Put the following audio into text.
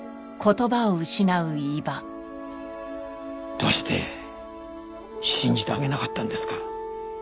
どうして信じてあげなかったんですか？